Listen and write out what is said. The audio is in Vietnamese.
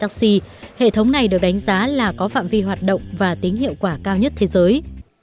taxi hệ thống này được đánh giá là có phạm vi hoạt động và tính hiệu quả cao nhất thế giới